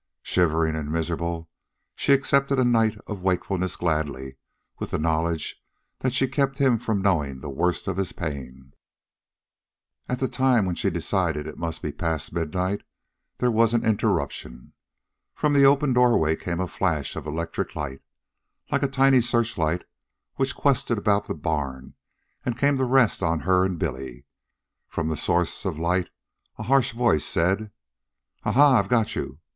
Shivering and miserable, she accepted a night of wakefulness gladly with the knowledge that she kept him from knowing the worst of his pain. At the time when she had decided it must be past midnight, there was an interruption. From the open doorway came a flash of electric light, like a tiny searchlight, which quested about the barn and came to rest on her and Billy. From the source of light a harsh voice said: "Ah! ha! I've got you!